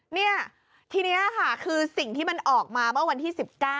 เนี่ยทีนี้ค่ะคือสิ่งที่มันออกมาเมื่อวันที่๑๙